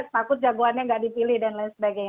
takut jagoannya nggak dipilih dan lain sebagainya